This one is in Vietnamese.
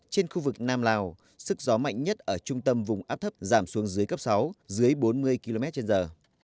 trên khu vực nam lào sức gió mạnh nhất ở trung tâm vùng áp thấp giảm xuống dưới cấp sáu dưới bốn mươi km trên giờ